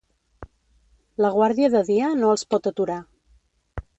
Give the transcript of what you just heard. La Guàrdia de Dia no els pot aturar.